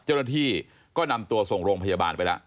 เจ้าหน้าที่ก็นำตัวส่งโรงพยาบาลไปแล้ว